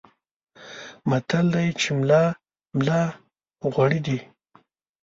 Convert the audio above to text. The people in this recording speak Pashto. متل دی چې ملا ملا غوړي دي.